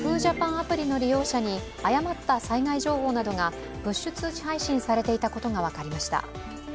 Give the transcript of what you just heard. アプリの利用者に誤った災害情報などがプッシュ通知配信されていたことが分かりました。